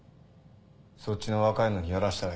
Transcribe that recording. そっちの若いのにやらせたらええやろ。